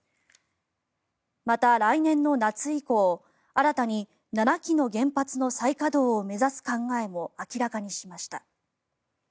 また、来年の夏以降新たに７基の原発の再稼働を目指す考えも明らかにしました。